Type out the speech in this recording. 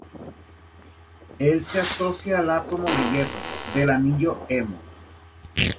El se asocia al átomo de hierro del anillo hemo.